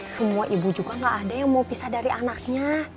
semua ibu juga gak ada yang mau pisah dari anaknya